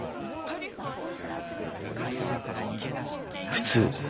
普通。